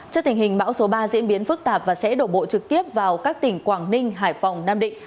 trước tình hình bão số ba diễn biến phức tạp và sẽ đổ bộ trực tiếp vào các tỉnh quảng ninh hải phòng nam định